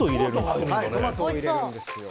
トマト入れるんですか。